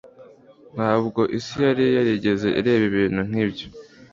Ntabwo isi yari yarigeze ireba ibintu nk'ibyo.